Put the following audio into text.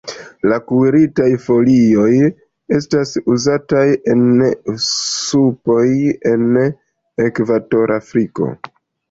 La kuiritaj folioj estas uzataj en supoj en ekvatora Afriko.